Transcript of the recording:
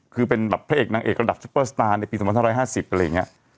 คือเป็นแบบพระเอกนางเอกระดับชุปเปอร์สตาร์ในปีสมรรถห้าห้าสิบอะไรอย่างเงี้ย